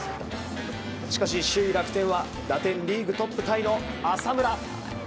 しかし首位、楽天は打点リーグトップタイの浅村。